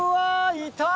いた！